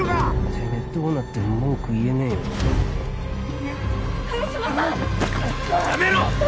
てめえどうなっても文句言えねえよな萱島さん！やめろ！